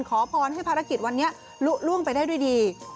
ขอพรให้ภารกิจวันนี้ลุล่วงไปได้ด้วยดี